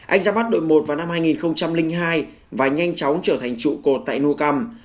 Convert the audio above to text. anh ra mắt đội một vào năm hai nghìn hai và nhanh chóng trở thành trụ cột tại nucam